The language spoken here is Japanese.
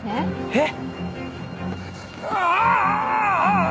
えっ？